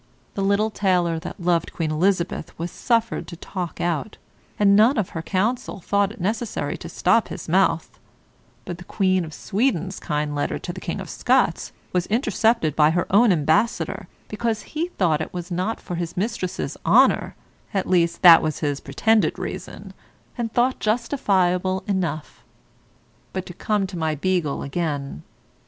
The little tailor that loved Queen Elizabeth was suffered to talk out, and none of her Council thought it necessary to stop his mouth; but the Queen of Sweden's kind letter to the King of Scots was intercepted by her own ambassador, because he thought it was not for his mistress's honour (at least that was his pretended reason), and thought justifiable enough. But to come to my Beagle again.